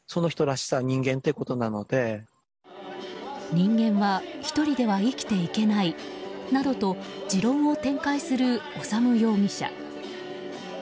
人間は１人では生きていないなどと持論を展開する修容疑者。